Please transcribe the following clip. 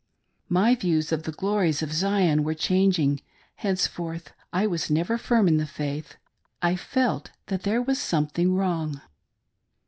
My views of the glories of Zion were chang ing ;— henceforth I was never firm in the faith — I felt that there was something wrong.